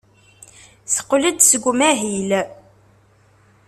Teqqel-d seg umahil.